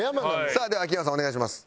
さあでは秋山さんお願いします。